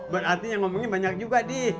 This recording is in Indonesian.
berarti yang ngomongin banyak juga di